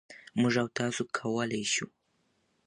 مـوږ او تاسـو کـولی شـو